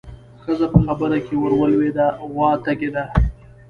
ښځه په خبره کې ورولوېده: غوا تږې ده.